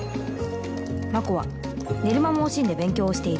真心は寝る間も惜しんで勉強をしている